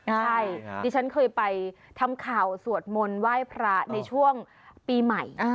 ใช่ดิฉันเคยไปทำข่าวสวดมนต์ไหว้พระในช่วงปีใหม่